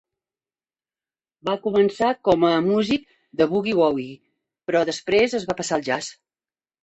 Va començar com a músic de boogie-woogie però després es va passar al jazz.